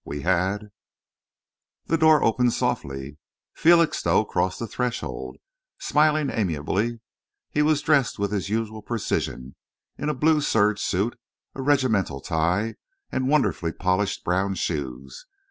We had " The door opened softly. Felixstowe crossed the threshold, smiling amiably. He was dressed with his usual precision in a blue serge suit, a regimental tie, and wonderfully polished brown shoes.